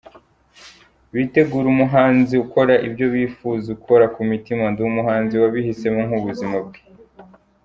Bitegure umuhanzi ukora ibyo bifuza, ukora ku mutima, ndi umuhanzi wabihisemo nk’ubuzima bwe.